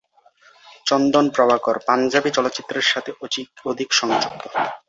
চন্দন প্রভাকর পাঞ্জাবি চলচ্চিত্রের সাথে অধিক সংযুক্ত।